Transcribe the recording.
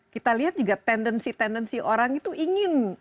kita lihat juga tendensi tendensi orang itu ingin